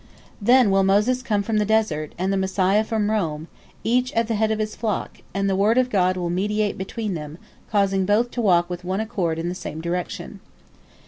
Then will Moses come from the desert, and the Messiah from Rome, each at the head of his flock, and the word of God will mediate between them, causing both to walk with one accord in the same direction.